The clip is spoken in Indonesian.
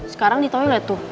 sekarang di toilet tuh